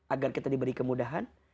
agar kita diberi kemudahan